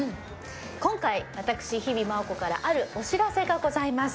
今回私日比麻音子からあるお知らせがございます